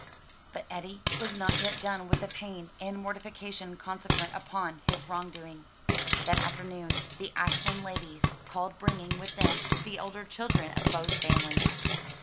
But Eddie was not yet done with the pain and mortification consequent upon his wrong doing. That afternoon the Ashland ladies called bringing with them the elder children of both families.